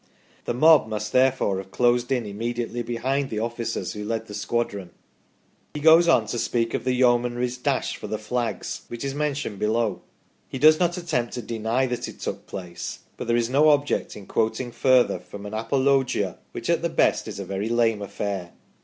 The mob must therefore have closed in immedi ately behind the officers who led the squadron." He goes on to speak of the Yeomanry's dash for the flags, which is mentioned below. He does not attempt to deny that it took place ; but there is no object in quoting further from an apologia which at the best is a very lame affair.